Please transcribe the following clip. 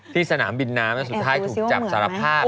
สนามบินน้ำแล้วสุดท้ายถูกจับสารภาพ